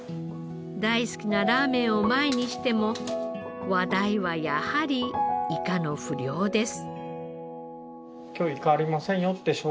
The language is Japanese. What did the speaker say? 大好きなラーメンを前にしても話題はやはりイカの不漁です。